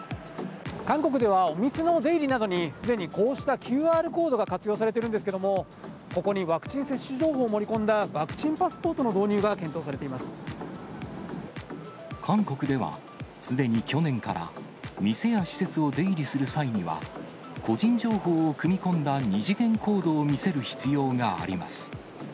韓国ではお店の出入りなどにすでにこうしたＱＲコードが活用されているんですけれども、ここにワクチン接種情報を盛り込んだワクチンパスポートの導入が韓国では、すでに去年から、店や施設を出入りする際には、個人情報を組み込んだ２次元コードを見せる必要があります。